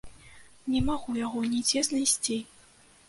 Не магу яго нідзе знайсці!